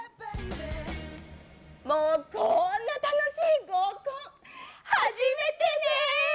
もうこんな楽しい合コン、始めてね。